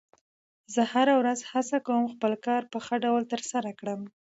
زه هره ورځ هڅه کوم خپل کار په ښه ډول ترسره کړم